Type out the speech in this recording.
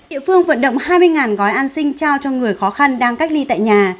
địa phương vận động hai mươi gói an sinh trao cho người khó khăn đang cách ly tại nhà